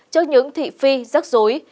trước những thị phi rắc rối